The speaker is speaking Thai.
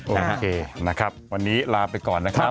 โอเคนะครับวันนี้ลาไปก่อนนะครับ